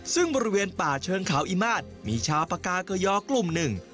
ซึ่งบริเวณป่าเชิงเขาอีมาตรมีชาวปากาเกยอกลุ่มหนึ่ง